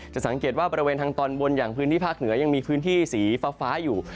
สังเกตว่าบริเวณทางตอนบนอย่างพื้นที่ภาคเหนือยังมีพื้นที่สีฟ้าอยู่